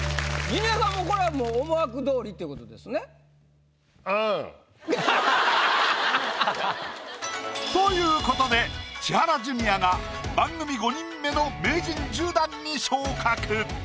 ジュニアさんこれはもう思惑通りっていうことですね？ということで千原ジュニアが番組５人目の名人１０段に昇格。